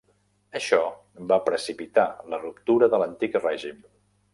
Això va precipitar la ruptura de l'antic règim.